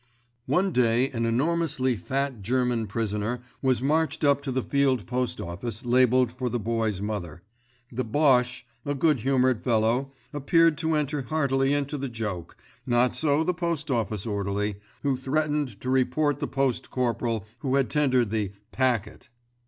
One day an enormously fat German prisoner was marched up to the Field Post Office labelled for the Boy's mother. The Bosche, a good humoured fellow, appeared to enter heartily into the joke, not so the post office orderly, who threatened to report the post corporal who had tendered the "packet."